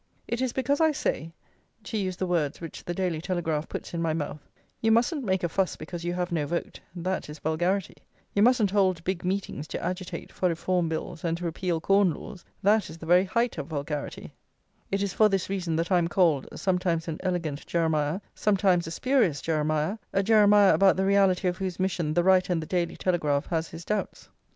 It is because I say (to use the words which the Daily Telegraph puts in my mouth): "You mustn't make a fuss because you have no vote, that is vulgarity; you mustn't hold big meetings to agitate for reform bills and to repeal corn laws, that is the very height of vulgarity," it is for this reason that I am called, sometimes an elegant Jeremiah, sometimes a spurious Jeremiah, a Jeremiah about the reality of whose mission the writer in the Daily Telegraph has his doubts.